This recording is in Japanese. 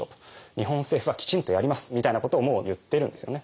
日本政府はきちんとやりますみたいなことをもう言ってるんですよね。